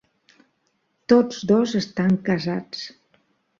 Tots dos estan casats.